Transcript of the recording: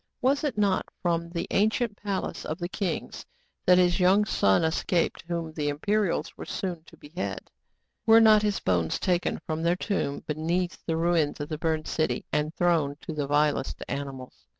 Was it not from the ancient palace of the kings that his young son escaped, whom the Imperials were soon to behead ? Were not his bones taken from their tomb beneath the ruins of the burned city, and thrown to the vilest animals